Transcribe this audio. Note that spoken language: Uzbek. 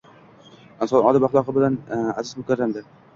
Inson odob-axloqi bilan aziz-mukarramdir.